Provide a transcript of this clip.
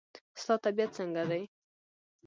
ستا طبیعت څنګه دی؟